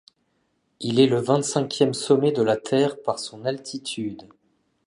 Il est le vingt-cinquième sommet de la Terre par son altitude.